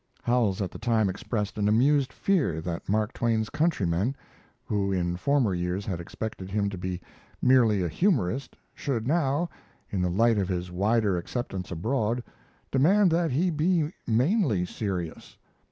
Howells at the time expressed an amused fear that Mark Twain's countrymen, who in former years had expected him to be merely a humorist, should now, in the light of his wider acceptance abroad, demand that he be mainly serious.